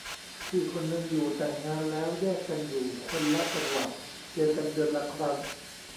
พี่คนนึงอยู่แต่งงานแล้วแยกกันอยู่คนละจังหวัดเจอกันเดือนละครั้ง